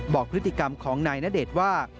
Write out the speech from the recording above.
บอกพฤติกรรมของนายณเดชน์ว่า